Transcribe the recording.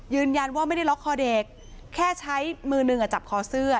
ยืนยันว่าไม่ได้ล็อกคอเด็กแค่ใช้มือหนึ่งจับคอเสื้อ